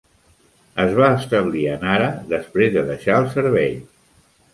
Es va establir a Nara després de deixar el servei.